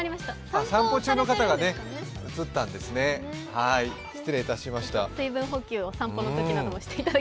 散歩中の方が映ったんですね、失礼しました。